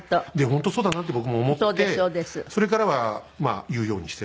本当そうだなって僕も思ってそれからは言うようにしてるんですけどね。